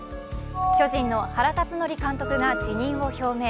巨人の原辰徳監督が辞任を表明。